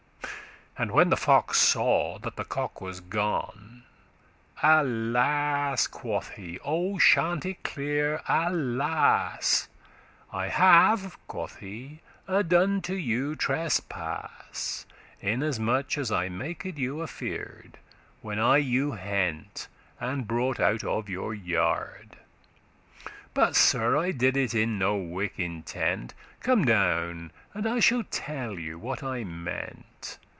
And when the fox saw that the cock was gone, "Alas!" quoth he, "O Chanticleer, alas! I have," quoth he, "y done to you trespass,* *offence Inasmuch as I maked you afear'd, When I you hent,* and brought out of your yard; *took But, Sir, I did it in no wick' intent; Come down, and I shall tell you what I meant.